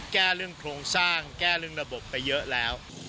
แก้เรื่องโครงสร้างแก้เรื่องระบบไปเยอะแล้ว